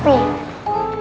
terima kasih pak